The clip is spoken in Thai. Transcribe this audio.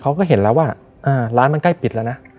เขาก็เห็นแล้วว่าร้านมันใกล้ปิดแล้วนะ